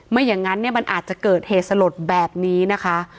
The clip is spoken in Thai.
อย่างนั้นเนี่ยมันอาจจะเกิดเหตุสลดแบบนี้นะคะ